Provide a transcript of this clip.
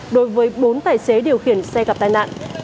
đối với bốn tài xế điều khiển xe gặp tai nạn